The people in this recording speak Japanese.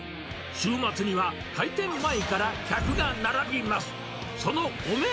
週末には、開店前から客が並びます。